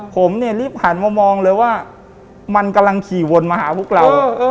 ผมเนี่ยรีบหันมามองเลยว่ามันกำลังขี่วนมาหาพวกเรา